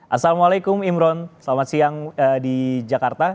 assalamualaikum imron selamat siang di jakarta